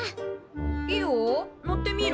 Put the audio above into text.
いいよ乗ってみる？